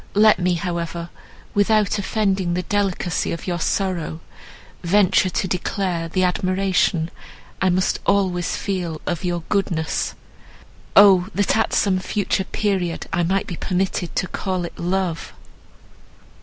Let me, however, without offending the delicacy of your sorrow, venture to declare the admiration I must always feel of your goodness—O! that at some future period I might be permitted to call it love!"